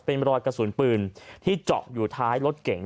เป็นรอยกระสุนปืนที่เจาะอยู่ท้ายรถเก่ง